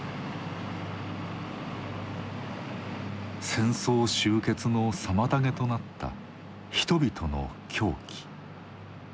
戦争終結の妨げとなった「人々の狂気」。